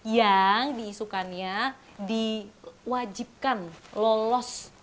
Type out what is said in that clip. yang diisukannya diwajibkan lolos